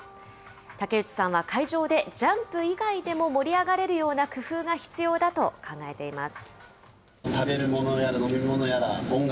竹内さんは会場でジャンプ以外でも盛り上がれるような工夫が必要だと考えています。